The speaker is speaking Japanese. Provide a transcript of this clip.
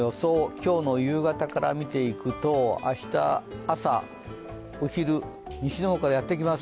今日の夕方から見ていくと、明日朝、お昼、西の方からやってきます。